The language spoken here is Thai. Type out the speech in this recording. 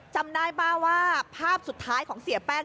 จำได้ป่ะว่าภาพสุดท้ายของเสียแป้ง